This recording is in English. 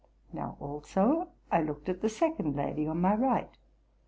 Now also I looked at the second lady on my right.